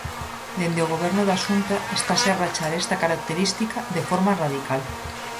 Dende o goberno da Xunta estase a rachar esta característica de forma radical.